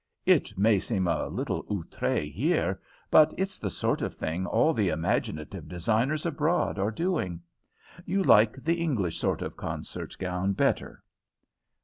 It may seem a little outré here, but it's the sort of thing all the imaginative designers abroad are doing. You like the English sort of concert gown better?"